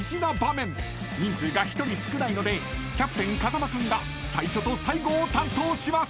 ［人数が１人少ないのでキャプテン風間君が最初と最後を担当します］